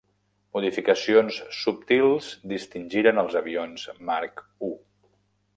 Modificacions subtils distingiren els avions Mark I.